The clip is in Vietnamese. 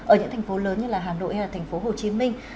ở những thành phố lớn như hà nội hay hồ chí minh